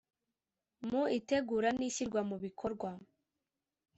Mu itegura n ishyirwa mu bikorwa